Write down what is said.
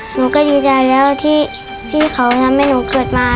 หนูก็ดีใจแล้วที่เขาทำให้หนูเกิดมา